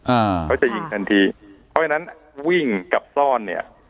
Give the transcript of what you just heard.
อ่าเขาจะยิงทันทีเพราะฉะนั้นวิ่งกับซ่อนเนี่ย